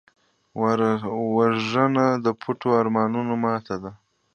وژنه د پټو ارمانونو ماتې ده